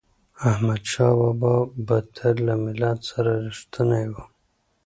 احمدشاه بابا به تل له ملت سره رښتینی و.